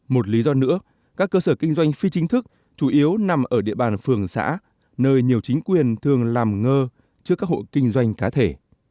một lý do nữa các cơ sở kinh doanh phi chính thức chủ yếu nằm ở địa bàn phường xã nơi nhiều chính quyền thường làm ngơ trước các hộ kinh doanh cá thể